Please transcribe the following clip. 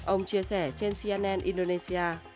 ông chia sẻ trên cnn indonesia